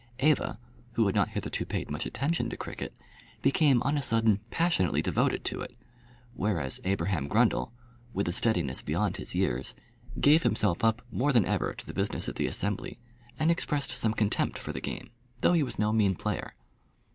Eva, who had not hitherto paid much attention to cricket, became on a sudden passionately devoted to it; whereas Abraham Grundle, with a steadiness beyond his years, gave himself up more than ever to the business of the Assembly, and expressed some contempt for the game, though he was no mean player.